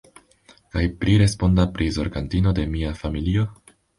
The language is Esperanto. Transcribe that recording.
Kaj priresponda prizorgantino de mia familio?